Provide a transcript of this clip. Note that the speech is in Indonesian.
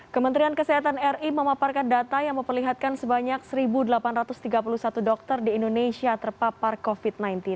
kementerian kesehatan ri memaparkan data yang memperlihatkan sebanyak satu delapan ratus tiga puluh satu dokter di indonesia terpapar covid sembilan belas